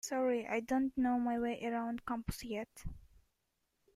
Sorry, I don't know my way around campus yet.